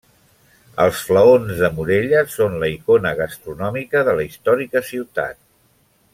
Els flaons de Morella són la icona gastronòmica de la històrica ciutat.